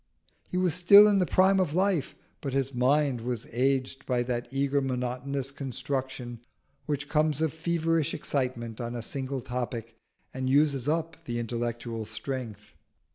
He was still in the prime of life, but his mind was aged by that eager monotonous construction which comes of feverish excitement on a single topic and uses up the intellectual strength.